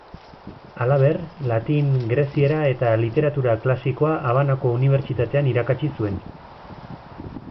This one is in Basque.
Halaber, latin, greziera eta literatura klasikoa Habanako Unibertsitatean irakatsi zuen.